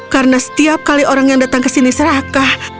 karena setiap kali orang yang datang ke sini serakah